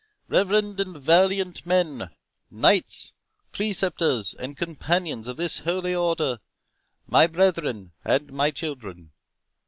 "Reverend and valiant men, Knights, Preceptors, and Companions of this Holy Order, my brethren and my children!